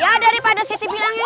ya daripada siti bilangnya